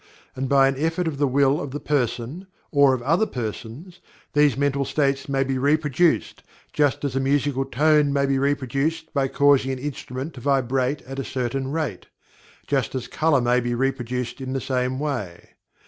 And by an effort of the will of the person, or of other persons, these mental states may be reproduced, just as a musical tone may be reproduced by causing an instrument to vibrate at a certain rate just as color may be reproduced in the same may.